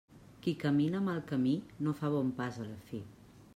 Qui camina mal camí, no fa bon pas a la fi.